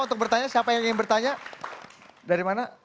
untuk bertanya siapa yang ingin bertanya